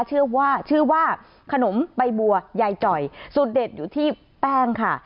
ชื่อว่าชื่อว่าขนมใบบัวยายจ่อยสุดเด็ดอยู่ที่แป้งค่ะ